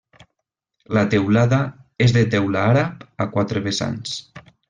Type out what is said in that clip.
La teulada és de teula àrab a quatre vessants.